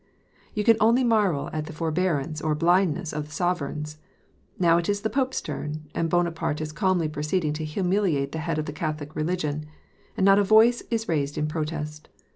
" You can only marvel at the forbearance or the blindness of the sover eigns. Now it is the pope's turn ; and Bonaparte is calmly proceeding to humiliate the head of the Catholic religion ; and not a voice is raised in protest